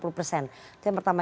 itu yang pertama